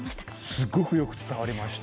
すごくよく伝わりました。